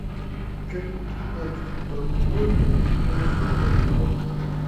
كۈپ تۈپنى تۇتۇپ تۇرۇپتىمۇ؟ تۈپ كۈپنى تۇتۇپ تۇرۇپتىمۇ؟